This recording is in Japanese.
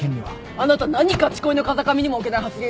あなた何がち恋の風上にも置けない発言してんのよ。